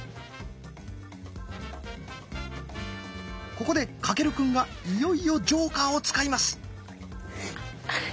ここで翔くんがいよいよジョーカーを使います。